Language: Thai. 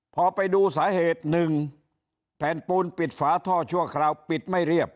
พอไปดูสาเหตุหนึ่งแผ่นปูนปิดฝาท่อชั่วคราวปิดไม่เรียบ